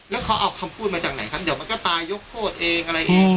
แล้วเขาเอาคำพูดมาจากไหนครับ